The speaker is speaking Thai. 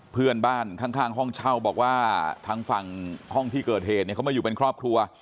เพื่อนบ้านข้างห้องเช่าบอกว่าทางฝั่งห้องที่เกิดเหตุเนี่ยเขามาอยู่เป็นครอบครัว